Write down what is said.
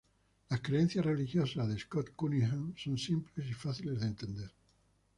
Las creencias religiosas de Scott Cunningham son simples y fáciles de entender.